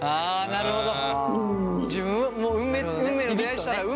なるほど。